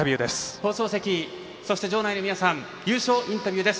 放送席そして場内の皆さん優勝インタビューです。